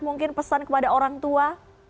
mungkin pesan kepada orang tua